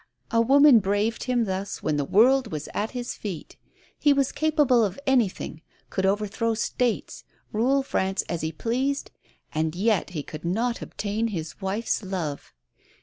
A woman braved him thus when the world was at his feet! lie was capable of anything, could overthrow States, rule France as he pleased, and yet he could not obtain his wife's love